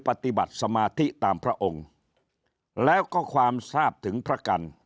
ปฏิบัติสมาธิตามพระองค์แล้วก็ความทราบถึงพระกัน